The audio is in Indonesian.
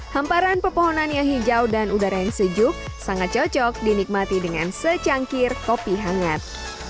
hamparan pepohonan yang hijau dan udara yang sejuk sangat cocok dinikmati dengan secangkir kopi hangat